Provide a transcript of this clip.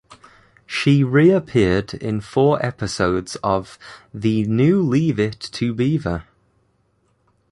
She reappeared in four episodes of "The New Leave It to Beaver".